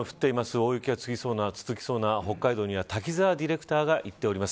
大雪が続きそうな北海道には滝沢ディレクターが行っております。